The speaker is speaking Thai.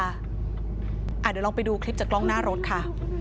เดี๋ยวลองไปดูคลิปจากกล้องหน้ารถค่ะ